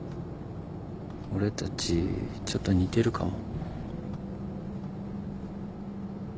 俺たちちょっと似てるかも。